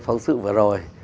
phóng sự vừa rồi